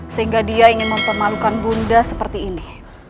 sehingga dia ingin mempermalukan bunda seperti ini